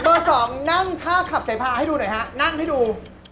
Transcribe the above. สองนั่งท่าขับเสพาให้ดูหน่อยฮะนั่งให้ดู